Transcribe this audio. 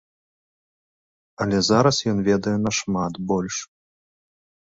Але зараз ён ведае нашмат больш.